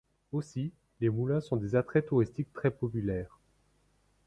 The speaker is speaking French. Aussi, les moulins sont des attraits touristiques très populaires.